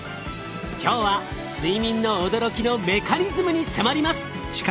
今日は睡眠の驚きのメカニズムに迫ります。